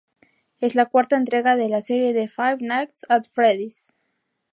Es la cuarta entrega de la serie de "Five Nights at Freddy's".